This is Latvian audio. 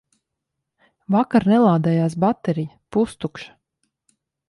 Vakar nelādējās, baterija pustukša.